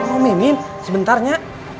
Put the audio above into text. oh mimin sebentarnya